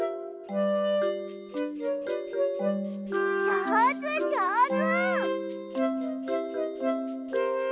じょうずじょうず。